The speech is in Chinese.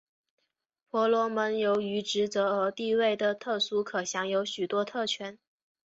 婆罗门由于职责和地位的特殊可享有许多特权。